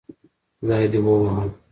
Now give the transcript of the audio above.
خدای دې ووهه